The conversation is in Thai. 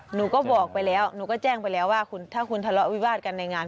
หนูก็บอกไปแล้วหนูก็แจ้งไปแล้วว่าถ้าคุณทะเลาะวิวาสกันในงาน